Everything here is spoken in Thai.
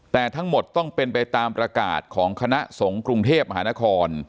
แต่ทั้งหมดต้องเป็นไปตามประกาศของคณะสงฆ์กรุงเทพมหานคร